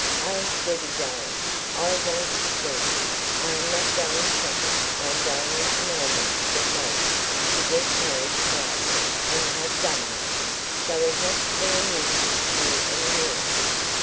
"Oh, Debbie darling, I won't deceive you I am not going shopping; I am going into Melbourne to get married to get married quietly and have done with it, so as not to be a nuisance to you any more."